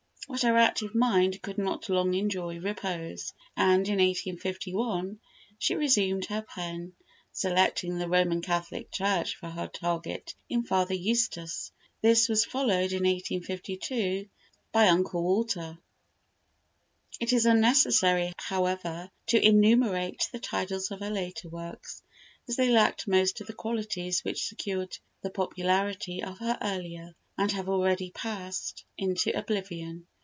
But her active mind could not long enjoy repose, and in 1851 she resumed her pen, selecting the Roman Catholic Church for her target in "Father Eustace." This was followed in 1852 by "Uncle Walter." It is unnecessary, however, to enumerate the titles of her later works, as they lacked most of the qualities which secured the popularity of her earlier, and have already passed into oblivion.